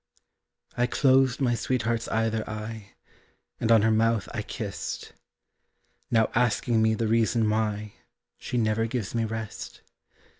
I closed my sweetheart's either eye, And on her mouth I kissed, Now asking me the reason why She never gives me rest.